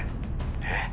「えっ？」